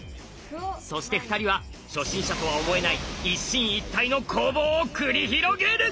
そして２人は初心者とは思えない一進一退の攻防を繰り広げる！